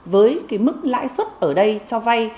với cái mức lãi suất ở đây cho vay